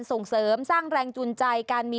ส่งเสริมแรงจุลใจ